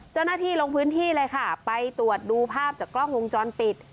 เจ้าหน้าที่ลงพื้นที่เลยค่ะไปตรวจดูภาพจากกล้องวงจรปิด